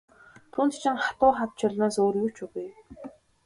Түүнд чинь хатуу хад чулуунаас өөр юу ч үгүй.